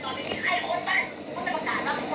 คือยังงี้คือยังงี้ที่ผมคุยกับนักข่าว